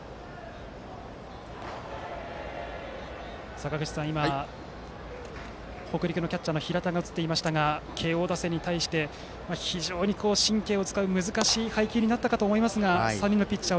坂口さん、今北陸のキャッチャーの平田が映っていましたが慶応打線に対して非常に神経を使う難しい配球になったと思いますが３人のピッチャー